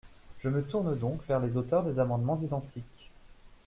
Je me tourne donc vers les auteurs des amendements identiques.